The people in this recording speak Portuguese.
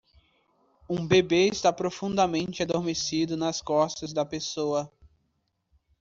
Um bebê está profundamente adormecido nas costas da pessoa.